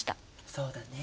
そうだね。